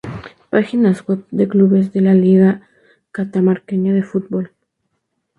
Páginas Web de Clubes de la Liga Catamarqueña de Fútbol